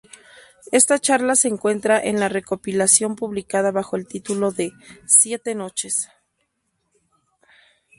Esta charla se encuentra en la recopilación publicada bajo el título de "Siete noches".